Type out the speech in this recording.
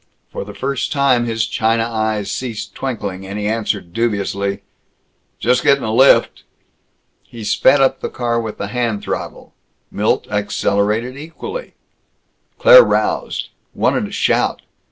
For the first time his china eyes ceased twinkling; and he answered dubiously: "Just gettin' a lift." He sped up the car with the hand throttle. Milt accelerated equally. Claire roused; wanted to shout.